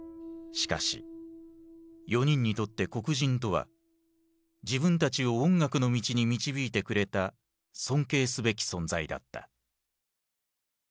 しかし４人にとって黒人とは自分たちを音楽の道に導いてくれた尊敬すべき存在だった。